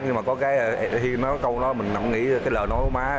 nhưng khi nói câu đó mình cũng nghĩ lời nói của má